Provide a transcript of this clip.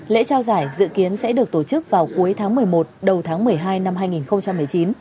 lễ trao giải dự kiến sẽ được tổ chức vào cuối tháng một mươi một đầu tháng một mươi hai năm hai nghìn một mươi chín